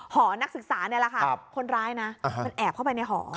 นักศึกษานี่แหละค่ะคนร้ายนะมันแอบเข้าไปในหอ